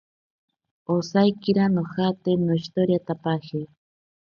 Osaikira nojate noshitoriatapaje.